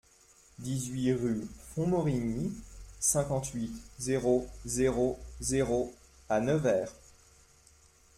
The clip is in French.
dix-huit rue Fonmorigny, cinquante-huit, zéro zéro zéro à Nevers